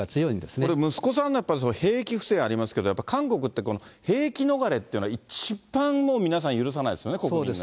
これ、息子さんのやっぱり兵役不正がありますけれども、やっぱり韓国って、兵役逃れって一番皆さん、許さないですよね、国民が。